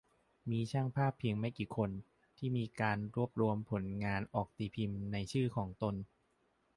มีช่างภาพเพียงไม่กี่คนที่มีการรวบรวมผลงานออกตีพิมพ์ในชื่อของตน